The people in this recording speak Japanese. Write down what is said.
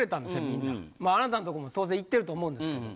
みんなあなたのとこも当然行ってると思うんですけど。